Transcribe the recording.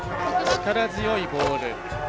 力強いボール。